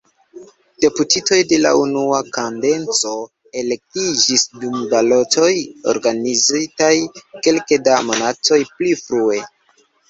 Deputitoj de la unua kadenco elektiĝis dum balotoj organizitaj kelke da monatoj pli frue.